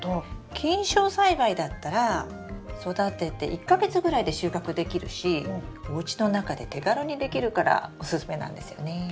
菌床栽培だったら育てて１か月ぐらいで収穫できるしおうちの中で手軽にできるからおすすめなんですよね。